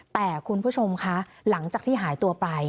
แต่คุณผู้ชมคะหลังจากที่หายตัวไป